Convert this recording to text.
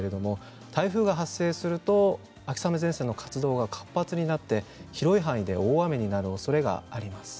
台風が発生すると秋雨前線の活動が活発になって広い範囲で大雨となるおそれがあります。